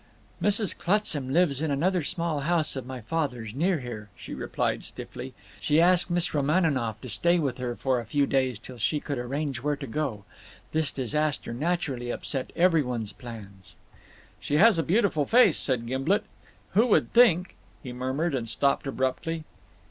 "Mrs. Clutsam lives in another small house of my father's, near here," she replied stiffly. "She asked Miss Romaninov to stay with her for a few days till she could arrange where to go to. This disaster naturally upset every one's plans." "She has a beautiful face," said Gimblet. "Who would think " he murmured, and stopped abruptly.